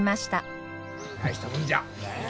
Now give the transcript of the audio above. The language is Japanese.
大したもんじゃ。